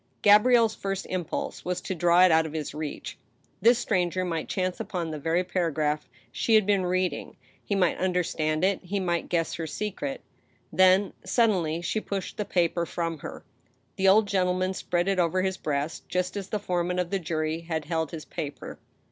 Gabrielle's first impulse was to draw it out of his reach. This stranger might chance upon the very paragraph she had been read ing ; he might understand it, he might guess her secret. Then* suddenly, she pushed the paper from her. The old gentleman spread it over his breast, just as the foreman of the jury had held his paper.